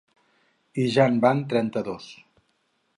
I ja en van trenta-dos.